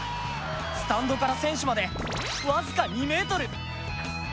スタンドから選手まで僅か２ｍ。